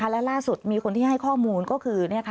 และล่าสุดมีคนที่ให้ข้อมูลก็คือ